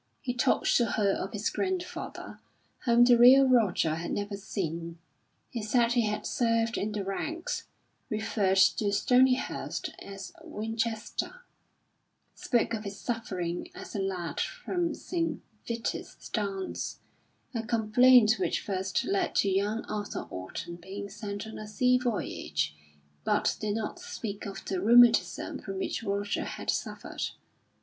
He talked to her of his grandfather, whom the real Roger had never seen; he said he had served in the ranks; referred to Stonyhurst as Winchester; spoke of his suffering as a lad from St. Vitus's dance a complaint which first led to young Arthur Orton being sent on a sea voyage; but did not speak of the rheumatism from which Roger had suffered.